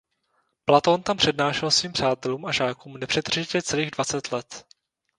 Platón tam přednášel svým přátelům a žákům nepřetržitě celých dvacet let.